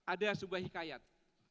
ada sebuah hikayat